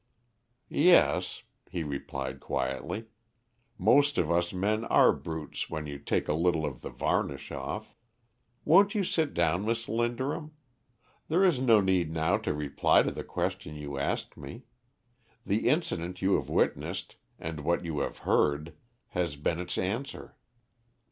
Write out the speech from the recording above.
"Yes," he replied quietly. "Most of us men are brutes when you take a little of the varnish off. Won't you sit down, Miss Linderham? There is no need now to reply to the question you asked me: the incident you have witnessed, and what you have heard, has been its answer."